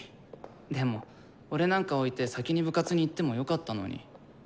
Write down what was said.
でも俺なんか置いて先に部活に行ってもよかったのに。